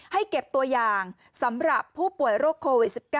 เก็บตัวอย่างสำหรับผู้ป่วยโรคโควิด๑๙